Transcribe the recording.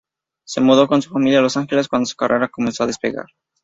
Se mudó con su familia a Los Angeles cuando su carrera comenzó a despegar.